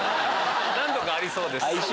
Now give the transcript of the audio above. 何度かありそうです。